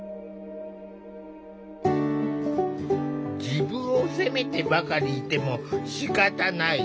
自分を責めてばかりいてもしかたない。